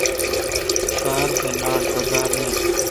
ݭار تھہ ناٹ پکار نہ۔